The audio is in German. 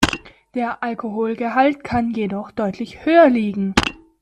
Der Alkoholgehalt kann jedoch deutlich höher liegen.